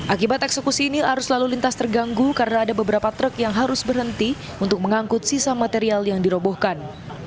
akibat eksekusi ini arus lalu lintas terganggu karena ada beberapa truk yang harus berhenti untuk mengangkut sisa material yang dirobohkan